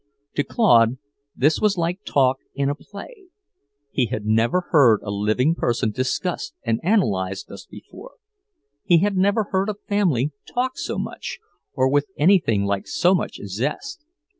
To Claude this was like talk in a play. He had never heard a living person discussed and analysed thus before. He had never heard a family talk so much, or with anything like so much zest.